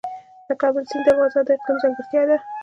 د کابل سیند د افغانستان د اقلیم ځانګړتیا ده.